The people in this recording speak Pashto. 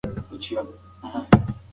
اقتصاد د منابعو اعظمي کارونې لارې ښيي.